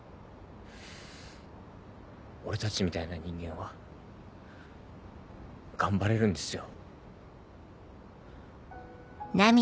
俺たちみたいな人間は頑張れるんですよ。